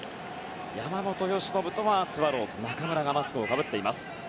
山本由伸とはスワローズ中村がマスクをかぶっています。